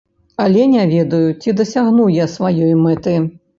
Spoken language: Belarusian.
Але не ведаю, ці дасягну я сваёй мэты.